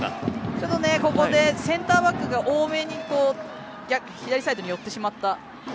ちょっと、ここセンターバックが多めに左サイドに寄ってしまった。